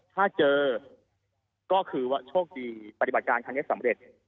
ถ้าเจอก็คือว่าโชคดีปฏิบัติการครั้งนี้สำเร็จ